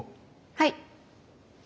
はい。